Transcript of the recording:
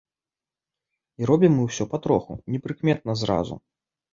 І робім мы ўсё патроху, непрыкметна зразу.